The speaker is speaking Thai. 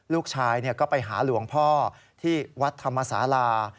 ลูกชายก็ไปหาหลวงพ่อที่วัดธรรมศาลา